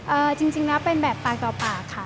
จริงแล้วเป็นแบบปากต่อปากค่ะ